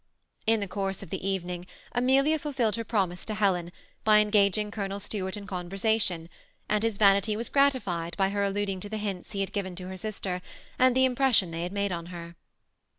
In the course of the evening Amelia fulfilled hdr promise to Helen, by engaging Colonel Stuart in cob versation ; and his vanity was gratified by her alluding to the hints he had given to her sister, and the impres sion they had made on her.